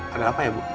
ada apa ya bu